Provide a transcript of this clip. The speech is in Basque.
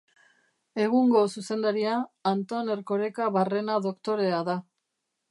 Egungo zuzendaria Anton Erkoreka Barrena doktorea da.